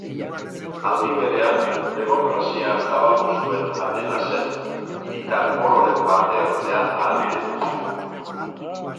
Aldi berean, demokrazia zabaldu zuen Atenasen, hiritar ororen parte-hartzea ahalbidetuz.